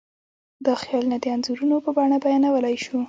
دا خیالونه د انځورونو په بڼه بیانولی شو.